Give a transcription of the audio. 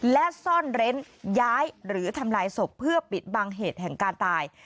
และซ่อนเร้นย้ายหรือทำลายศพเพื่อปิดบังเหตุแห่งการตาย